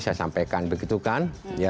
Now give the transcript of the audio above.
saya sampaikan begitu kan